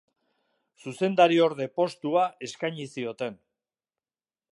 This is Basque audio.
Zuzendariorde postua eskaini zioten.